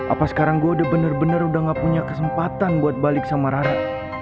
apa sekarang gue udah bener bener udah gak punya kesempatan buat balik sama rara